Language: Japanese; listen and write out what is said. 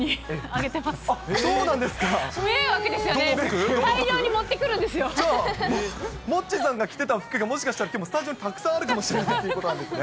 じゃあ、モッチーさんが着てた服が、もしかしたらスタジオにたくさんあるかもしれないということなんですね。